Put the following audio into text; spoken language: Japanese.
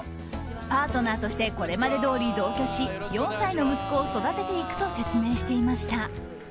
パートナーとしてこれまでどおり同居し４歳の息子を育てていくと説明していました。